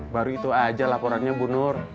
baru itu aja laporannya bunur